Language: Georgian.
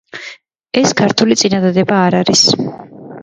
ჩენჯდა ბიჩო სლეფ და ბიჩ ონ